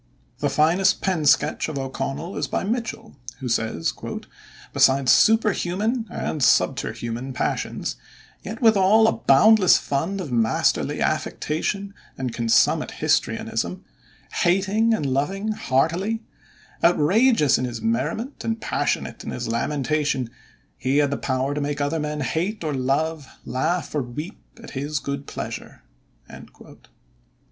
The finest pen sketch of O'Connell is by Mitchel, who says, "besides superhuman and subterhuman passions, yet withal, a boundless fund of masterly affectation and consummate histrionism, hating and loving heartily, outrageous in his merriment and passionate in his lamentation, he had the power to make other men hate or love, laugh or weep, at his good pleasure."